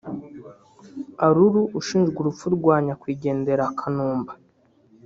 a Lulu ushinjwa urupfu rwa nyakwigendera Kanumba